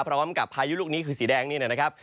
พายุลูกนี้คือสีแดงนี่นะครับ